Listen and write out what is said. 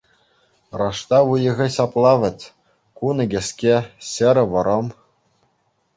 Раштав уйӑхӗ ҫапла вӗт: кунӗ кӗске, ҫӗрӗ вӑрӑм.